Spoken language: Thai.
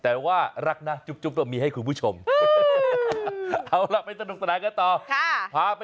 เอาล่ะมาไปธนุกษณะกันต่อ